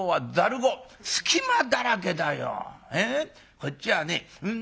こっちはね